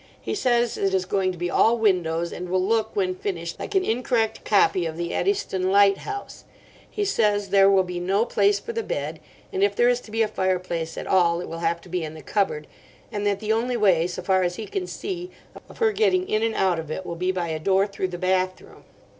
He says it is going to be all windows, and will look, when finished, like an incorrect copy of the Eddystone lighthouse. He says there will be no place for the bed, and if there is to be a fireplace at all it will have to be in the cupboard, and that the only way, so far as he can see, of her getting in and out of it will be by a door through the bathroom.